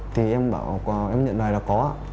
thì em nhận đoài là không